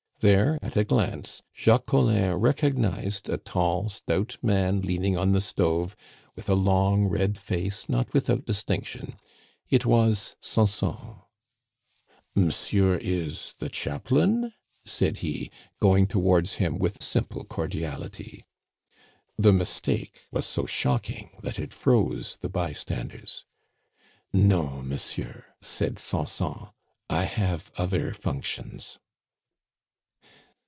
There, at a glance, Jacques Collin recognized a tall, stout man leaning on the stove, with a long, red face not without distinction: it was Sanson. "Monsieur is the chaplain?" said he, going towards him with simple cordiality. The mistake was so shocking that it froze the bystanders. "No, monsieur," said Sanson; "I have other functions."